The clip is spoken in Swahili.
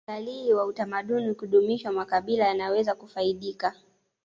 utalii wa utamaduni ukidumishwa makabila yanaweza kufaidika